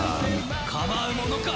構うものか。